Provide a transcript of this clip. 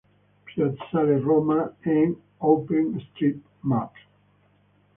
Piazzale Roma en Google Maps